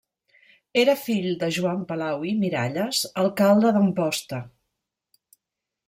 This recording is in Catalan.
Era fill de Joan Palau i Miralles, alcalde d'Amposta.